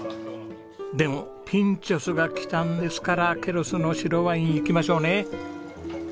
でもピンチョスが来たんですからケロスの白ワインいきましょうね。